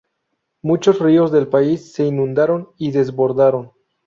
Muchos ríos del país se inundaron y desbordaron.